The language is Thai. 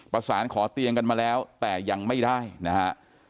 ประสานขอเตียงกันมาแล้วแต่ยังไม่ได้นะฮะ